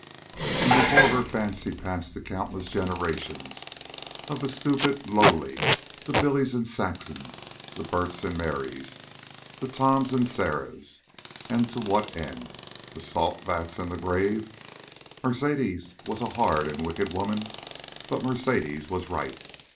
And before her fancy passed the countless generations of the stupid lowly, the Billys and Saxons, the Berts and Marys, the Toms and Sarahs. And to what end? The salt vats and the grave. Mercedes was a hard and wicked woman, but Mercedes was right.